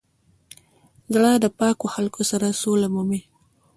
زړه د پاکو خلکو سره سوله مومي.